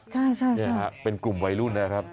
ใช่เป็นกลุ่มวัยรุ่นแหละครับ